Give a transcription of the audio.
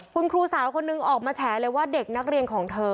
คุณครูสาวคนนึงออกมาแฉเลยว่าเด็กนักเรียนของเธอ